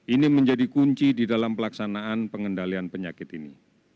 ini menjadi kunci di dalam pelaksanaan pengendalian penyakit ini